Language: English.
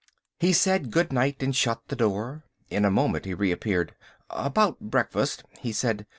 He said good night and shut the door. In a moment he reappeared. "About breakfast?" he said.